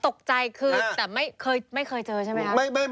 ตกใจคือแต่ไม่เคยเจอใช่ไหมคะ